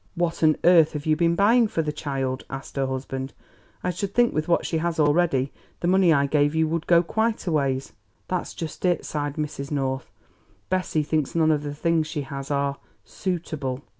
"What on earth have you been buying for the child?" asked her husband. "I should think with what she has already the money I gave you would go quite a ways." "That's just it," sighed Mrs. North. "Bessie thinks none of the things she has are suitable."